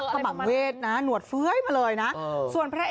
แต่ว่าขมัมเวศนะหนวดเฟ้ยมาเลยนะ